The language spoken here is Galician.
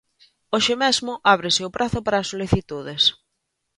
Hoxe mesmo ábrese o prazo para as solicitudes.